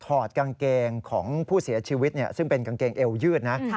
ถอดกางเกงของผู้เสียชีวิตซึ่งเป็นกางเกงเอวยืดนะ